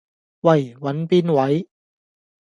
喂，搵邊位？